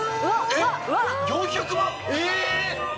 ４００万